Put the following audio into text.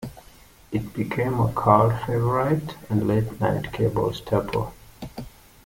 It became a cult favorite and late-night cable staple.